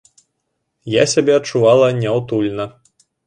Я сябе адчувала няўтульна.